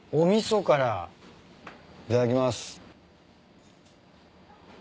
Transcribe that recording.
いただきます。